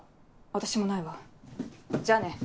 私もないわじゃあね。